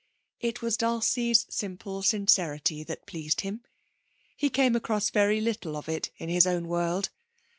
It was Dulcie's simple sincerity that pleased him. He came across very little of it in his own world.